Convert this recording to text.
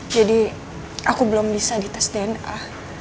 jadi aku belum bisa di tes dna